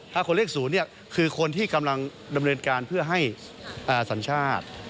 ถ้าคนเลข๐คือคนที่กำลังดำเนินการเพื่อให้สัญชาติ